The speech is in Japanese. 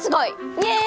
イエーイ！